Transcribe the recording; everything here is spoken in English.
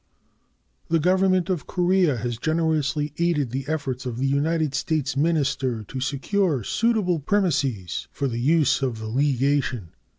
The Government of Korea has generously aided the efforts of the United States minister to secure suitable premises for the use of the legation.